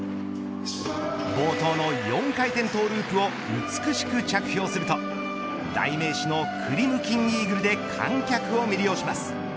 冒頭の４回転トゥループを美しく着氷すると代名詞のクリムキンイーグルで観客を魅了します。